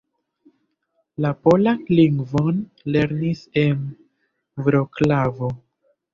La polan lingvon lernis en Vroclavo.